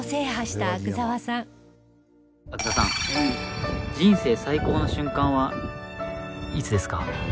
阿久澤さん人生最高の瞬間はいつですか？